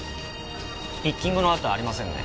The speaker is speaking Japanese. ピッキングの痕ありませんね。